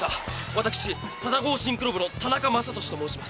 私唯高シンクロ部の田中昌俊と申します。